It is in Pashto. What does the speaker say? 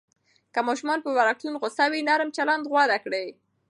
که ماشوم پر وړکتون غوصه وي، نرم چلند غوره کړئ.